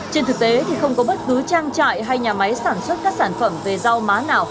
trên thực tế thì không có bất cứ trang trại hay nhà máy sản xuất các sản phẩm về rau má nào